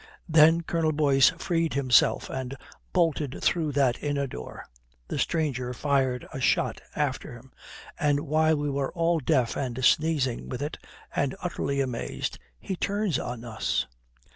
Then Colonel Boyce freed himself and bolted through that inner door. The stranger fired a shot after him, and while we were all deaf and sneezing with it and utterly amazed he turns on us.